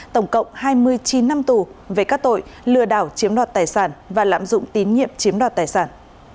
tổng cộng hai mươi chín năm tù về các tội lừa đảo chiếm đoạt tài sản và lạm dụng tín nhiệm chiếm đoạt tài sản